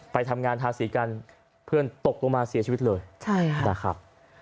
ไปทำงานทาสีกันเพื่อนตกลงมาเสียชีวิตเลยนะครับ